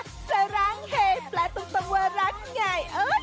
สร้างเหตุและตรงว่ารักไง